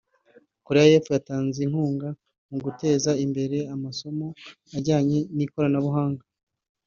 Koreya y’Epfo yatanze inkunga mu guteza imbere amasomo ajyanye n’ikoranabuhanga